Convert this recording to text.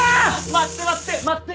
待って待って待って。